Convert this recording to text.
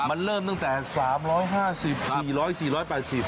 มันเริ่มตั้งแต่๓๕๐๔๐๐๔๘๐บาท